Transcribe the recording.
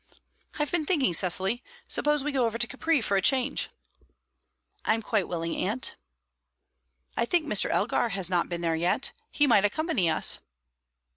"I've been thinking, Cecily. Suppose we go over to Capri for a change?" "I am quite willing, aunt." "I think Mr. Elgar has not been there yet. He might accompany us."